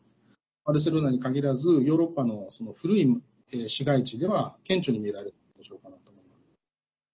バルセロナに限らずヨーロッパの古い市街地では顕著に見られる現象かなと思います。